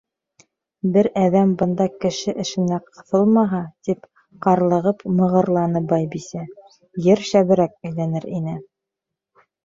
—Бер әҙәм бында кеше эшенә ҡыҫылмаһа, —тип ҡарлығып мығырланы Байбисә, —ер шәберәк әйләнер ине!